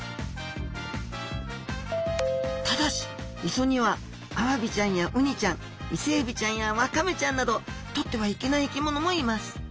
ただし磯にはアワビちゃんやウニちゃんイセエビちゃんやワカメちゃんなどとってはいけない生き物もいます。